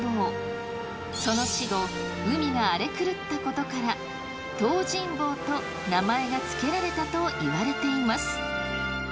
その死後海が荒れ狂ったことから東尋坊と名前がつけられたといわれています。